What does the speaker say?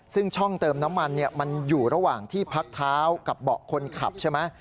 ซึ่งช่องเติมน้ำมันมันอยู่ระหว่างที่พักเท้ากับเบาะคนขับใช่ไหม